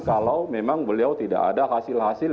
kalau memang beliau tidak ada hasil hasil